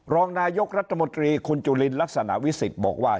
รองนายกรัฐมนตรีคุณจุลินลักษณะวิสิทธิ์บอกว่า